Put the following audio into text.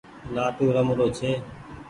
لآٽون رمرو ڇي۔